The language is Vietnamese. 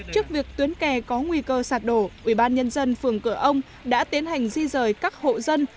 trước việc tuyến kè có nguy cơ sạt đổ ubnd phường cửa ông đã tiến hành di rời các hộ dân